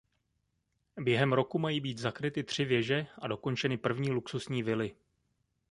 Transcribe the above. Během roku mají být zakryty tři věže a dokončeny první luxusní vily.